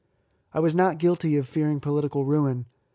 I was not guilty of fear ing political ruin.